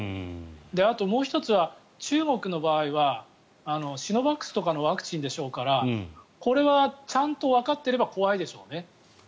あと、もう１つは中国の場合はシノバックスとかのワクチンでしょうからこれはちゃんとわかってれば怖いでしょうね。